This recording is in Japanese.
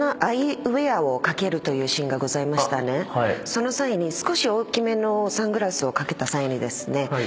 その際に少し大きめのサングラスを掛けた際にですね